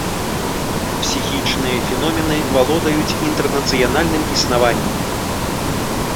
Псіхічныя феномены валодаюць інтэрнацыянальным існаваннем.